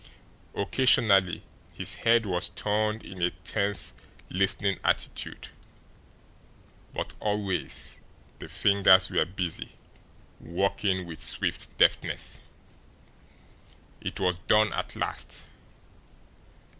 Occasionally his head was turned in a tense, listening attitude; but always the fingers were busy, working with swift deftness. It was done at last.